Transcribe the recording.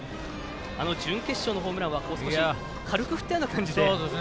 準決勝のホームランは少し軽く振ったような感じで。